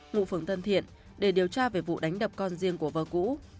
ngụ phường tân thiện để điều tra về vụ đánh đập con riêng của vợ cũ